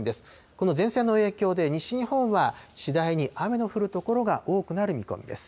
この前線の影響で、西日本は、次第に雨の降る所が多くなる見込みです。